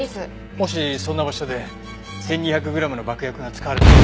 もしそんな場所で１２００グラムの爆薬が使われたら。